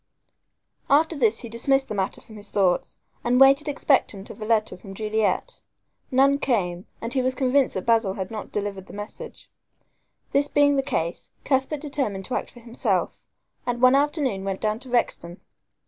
After this he dismissed the matter from his thoughts and waited expectant of a letter from Juliet. None came, and he was convinced that Basil had not delivered the message. This being the case, Cuthbert determined to act for himself, and one afternoon went down to Rexton.